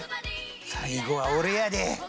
最後は俺やで！